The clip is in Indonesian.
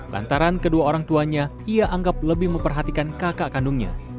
lantaran kedua orang tuanya ia anggap lebih memperhatikan kakak kandungnya